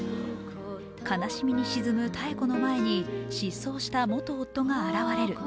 悲しみに沈む妙子の前に失踪した元夫が現れる。